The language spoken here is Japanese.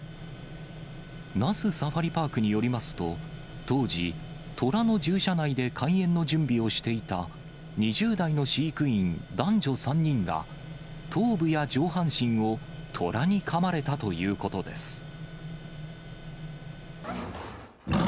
那須サファリパークによりますと、当時、トラの獣舎内で開園の準備をしていた２０代の飼育員男女３人が頭部や上半身をトラにかまれたということです。